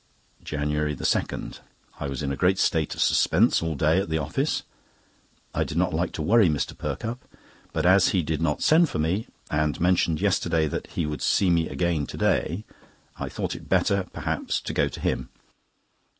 JANUARY 2.—I was in a great state of suspense all day at the office. I did not like to worry Mr. Perkupp; but as he did not send for me, and mentioned yesterday that he would see me again to day, I thought it better, perhaps, to go to him.